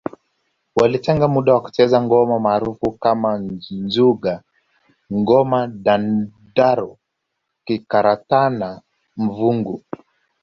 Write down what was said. Walitenga muda wa kucheza ngoma maarufu kama njuga ngoma dandaro kikaratana mvungu